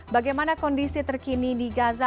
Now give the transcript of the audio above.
bagaimana kondisi terkini di gaza